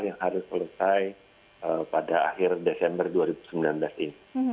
yang harus selesai pada akhir desember dua ribu sembilan belas ini